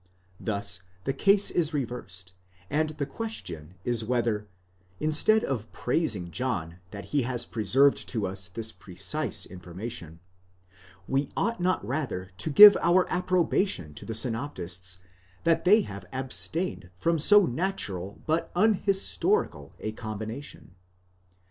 Thus the case is reversed, and the question is whether, instead of praising John that he has preserved to us this precise information, we ought not rather to give our approbation to the synoptists, that they have abstained from so natural but unhistorical a combination.